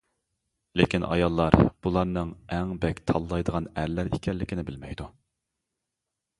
لېكىن ئاياللار بۇلارنىڭ ئەڭ بەك تاللايدىغان ئەرلەر ئىكەنلىكىنى بىلمەيدۇ.